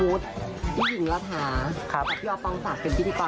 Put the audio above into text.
ตอนนี้เราจะมาเกะกะแกงส้มนะคะ